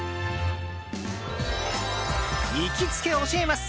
行きつけ教えます！